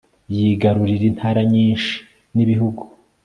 yigarurira intara nyinshin' ibihugu